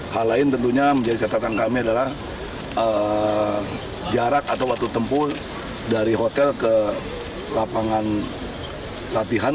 hal lain tentunya menjadi catatan kami adalah jarak atau waktu tempuh dari hotel ke lapangan latihan